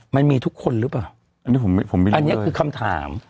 มันมีทุกคนหรือเปล่าอันนี้ผมไม่รู้อันนี้คือคำถาม